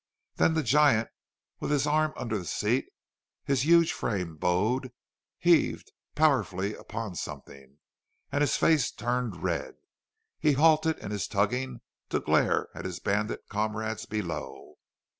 Then the giant, with his arm under the seat, his huge frame bowed, heaved powerfully upon something, and his face turned red. He halted in his tugging to glare at his bandit comrades below.